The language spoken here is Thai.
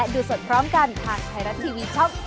เออนั่นแหละจบ